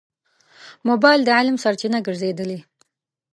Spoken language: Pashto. موبایل د علم سرچینه ګرځېدلې.